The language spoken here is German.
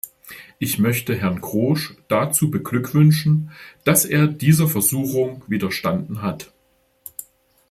Ich möchte Herrn Grosch dazu beglückwünschen, dass er dieser Versuchung widerstanden hat.